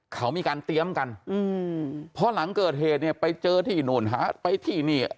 เขามีการเตรียมกันอืมเพราะหลังเกิดเหตุเนี่ยไปเจอที่นู่นหาไปที่นี่